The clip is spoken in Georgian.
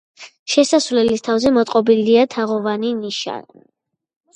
შესასვლელის თავზე მოწყობილია თაღოვანი ნიშა.